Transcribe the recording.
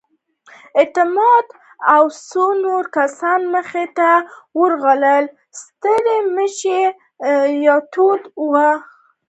اعتماد الدوله او څو نور کسان مخې ته ورغلل، ستړې مشې یې توده وه.